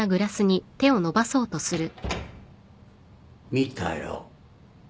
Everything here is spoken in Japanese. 見たよ。